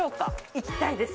いきたいです。